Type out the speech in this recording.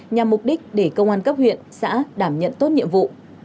nhằm mục đích để công an cấp huyện xã đảm nhận tốt nhiệm vụ